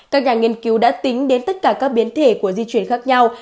các nhà nghiên cứu đã tính đến tất cả các biến thể của di chuyển khác nhau